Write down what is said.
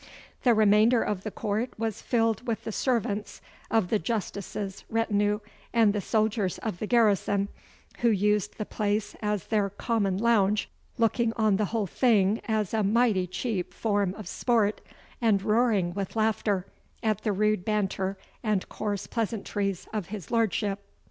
The remainder of the court was filled with the servants of the Justices' retinue and the soldiers of the garrison, who used the place as their common lounge, looking on the whole thing as a mighty cheap form of sport, and roaring with laughter at the rude banter and coarse pleasantries of his Lordship.